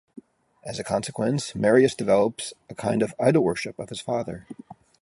As a consequence, Marius develops a kind of idol-worship of his father.